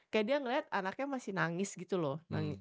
kayak dia ngeliat anaknya masih nangis gitu loh